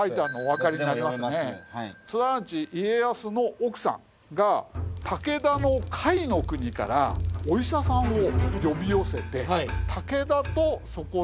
すなわち家康の奥さんが武田の甲斐国からお医者さんを呼び寄せて。